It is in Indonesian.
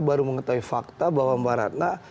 baru mengetahui fakta bahwa mbak ratna